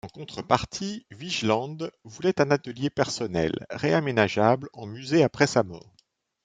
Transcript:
En contrepartie, Vigeland voulait un atelier personnel, réaménageable en musée après sa mort.